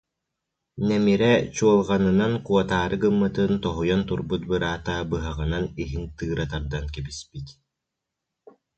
Нэмирэ чуолҕанынан куотаары гыммытын тоһуйан турбут быраата быһаҕынан иһин тыыра тардан кэбиспит